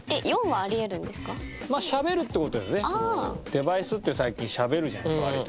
デバイスって最近しゃべるじゃないですか割と。